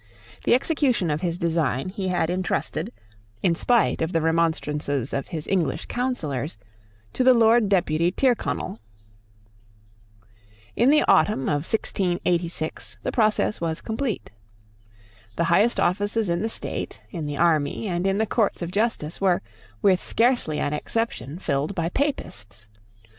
The execution of his design he had intrusted, in spite of the remonstrances of his English counsellors, to the Lord Deputy Tyrconnel. In the autumn of 1688, the process was complete. The highest offices in the state, in the army, and in the Courts of justice, were, with scarcely an exception, filled by Papists.